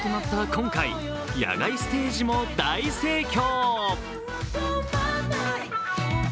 今回野外ステージも大盛況。